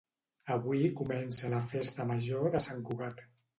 Avui comença la festa major de Sant Cugat